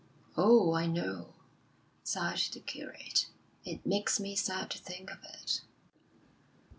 "Oh, I know," sighed the curate; "it makes me sad to think of it."